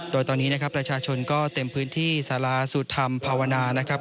โดยตอนนี้นะครับประชาชนก็เต็มพื้นที่สาราสุธรรมภาวนานะครับ